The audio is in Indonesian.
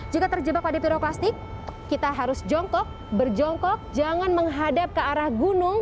jika terjebak pada piroklastik kita harus jongkok berjongkok jangan menghadap ke arah gunung